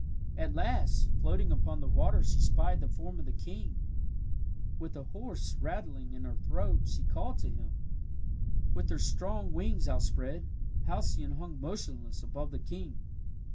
At last, floating upon the water she spied the form of the king. With a hoarse rattling in her throat she called to him. With her strong wings outspread, Halcyone hung motionless above the king.